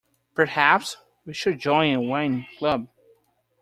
Perhaps we should join a wine club.